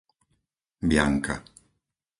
Bianka